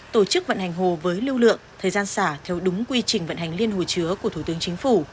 tổ chức vận hành hồ với lưu lượng thời gian xả theo đúng quy trình vận hành liên hồ chứa của thủ tướng chính phủ